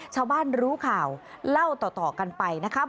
ชาวบ้านรู้ข่าวเล่าต่อกันไปนะครับ